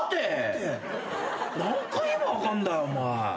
何回言えば分かんだよお前。